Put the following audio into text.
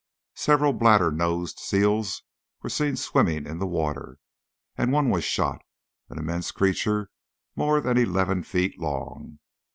Several bladder nosed seals were seen swimming in the water, and one was shot, an immense creature more than eleven feet long.